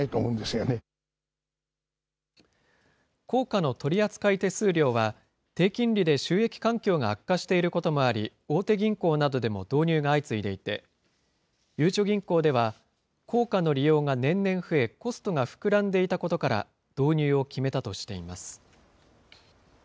硬貨の取り扱い手数料は、低金利で収益環境が悪化していることもあり、大手銀行などでも導入が相次いでいて、ゆうちょ銀行では、硬貨の利用が年々増え、コストが膨らんでいたことから、導入を決めたとしています。